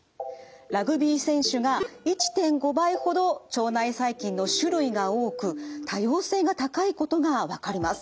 ラグビー選手が１．５倍ほど腸内細菌の種類が多く多様性が高いことが分かります。